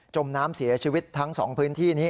มน้ำเสียชีวิตทั้ง๒พื้นที่นี้